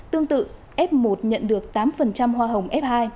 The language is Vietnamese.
tương tự f một nhận được tám hoa hồng f hai